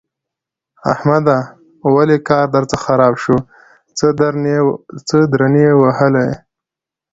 احمده! ولې کار درڅخه خراب شو؛ څه درنې وهلی يې؟!